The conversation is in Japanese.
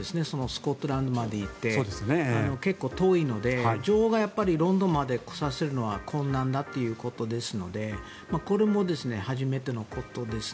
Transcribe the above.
スコットランドまで行って結構、遠いので女王をロンドンまで来させるのは困難だということですのでこれも初めてのことです。